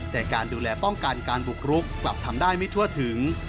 แต่การดูแลป้องกันการบุกรุกกลับทำได้ไม่ทั่วถึง